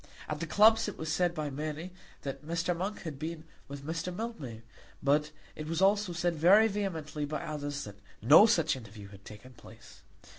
At the clubs it was said by many that Mr. Monk had been with Mr. Mildmay; but it was also said very vehemently by others that no such interview had taken place.